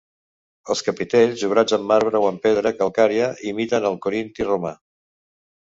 Els capitells, obrats en marbre o en pedra calcària, imiten el corinti romà.